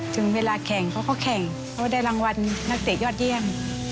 ถึงเวลาแข่งเขาก็แข่งเพราะว่าได้รางวัลนักเตะยอดเยี่ยม